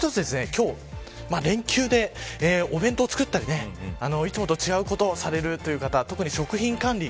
今日、連休でお弁当作ったりいつもと違うことをされる方特に食品管理